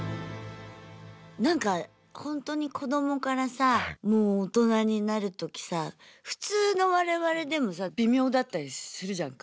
なんかほんとに子どもからさもう大人になる時さ普通の我々でもさ微妙だったりするじゃんか。